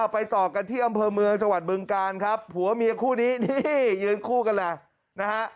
ไปต่อกันที่อำเภอเมืองจังหวัดบึงกาลครับผัวเมียคู่นี้นี่ยืนคู่กันเลยนะฮะ